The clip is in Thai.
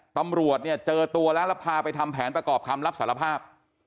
ตำรวจเนี่ยเจอตัวแล้วแล้วพาไปทำแผนประกอบคำรับสารภาพ